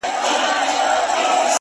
• ګیدړ ژر له حیرانیه کړه خوله وازه ,